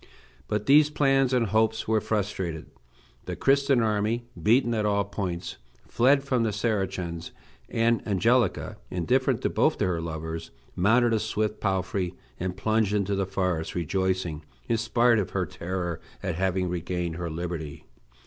But these plans and hopes were frustrated. The Christian army, beaten at all points, fled from the Saracens; and Angelica, indifferent to both her lovers, mounted a swift palfrey and plunged into the forest, rejoicing, in spite of her terror, at having regained her liberty.